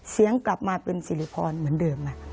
เสียงกลับมาเป็นสิริพรเหมือนเดิมนะ